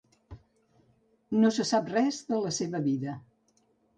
No se sap res de la seva vida.